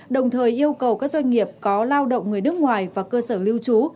đồng thời yêu cầu các doanh nghiệp có lao động người nước ngoài và cơ sở lưu trú